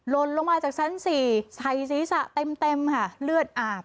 ลนลงมาจากชั้น๔ใส่ศีรษะเต็มค่ะเลือดอาบ